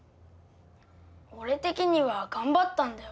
俺的には頑張ったんだよ。